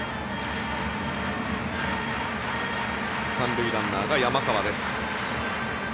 ３塁ランナーが山川です。